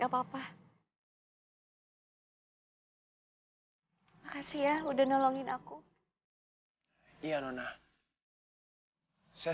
biar saya hantar ya